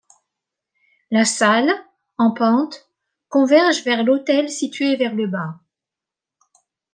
La salle, en pente, converge vers l'autel situé vers le bas.